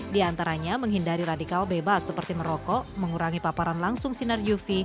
di antaranya menghindari radikal bebas seperti merokok mengurangi paparan langsung sinar uv